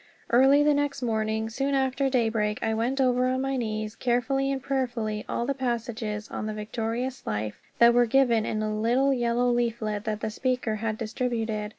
Early the next morning, soon after daybreak, I went over on my knees carefully and prayerfully all the passages on the Victorious Life that were given in a little yellow leaflet that the speaker had distributed.